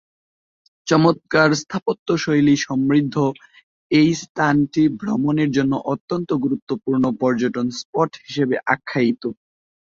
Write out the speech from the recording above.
চমৎকার স্থাপত্যশৈলী সমৃদ্ধ এই স্থানটি ভ্রমণের জন্য অত্যন্ত গুরুত্বপূর্ণ পর্যটন স্পট হিসেবে আখ্যায়িত।